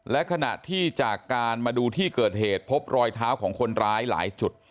และขณะที่จากการมาดูที่เกิดเหตุพบรอยเท้าของคนร้ายหลายจุด